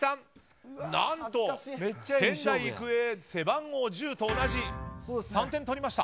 何と、仙台育英背番号１０と同じ３点を取りました。